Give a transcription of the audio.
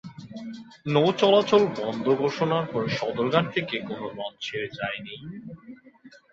নৌ চলাচল বন্ধ ঘোষণার পর সদরঘাট থেকে কোনো লঞ্চ ছেড়ে যায়নি।